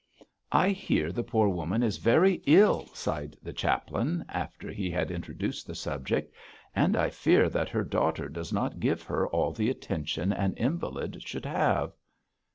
'I hear the poor woman is very ill,' sighed the chaplain, after he had introduced the subject, 'and I fear that her daughter does not give her all the attention an invalid should have.'